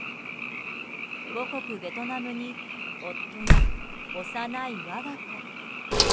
母国ベトナムに夫や幼い我が子。